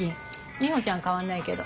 ミホちゃんは変わんないけど。